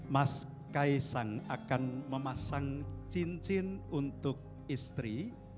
mas kaisang akan memasang cin cin untuk istri